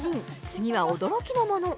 次は驚きのもの